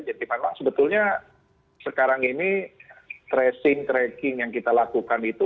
jadi pak ndang sebetulnya sekarang ini tracing tracking yang kita lakukan itu